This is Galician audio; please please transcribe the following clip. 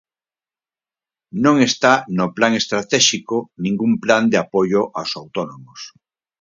Non está no Plan estratéxico ningún plan de apoio aos autónomos.